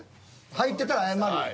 入ってたら謝るわ。